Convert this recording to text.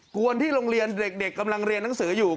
วนที่โรงเรียนเด็กกำลังเรียนหนังสืออยู่